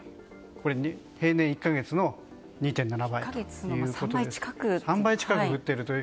これは平年１か月の２．７倍ということで３倍近く降っているという。